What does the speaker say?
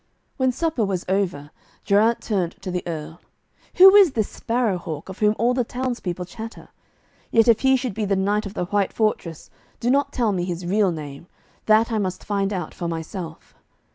When supper was over, Geraint turned to the Earl. 'Who is this Sparrow hawk of whom all the townspeople chatter? Yet if he should be the knight of the white fortress, do not tell me his real name. That I must find out for myself.'